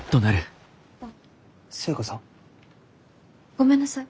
ごめんなさい。